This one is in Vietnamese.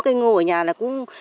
cây ngô ở nhà là cũng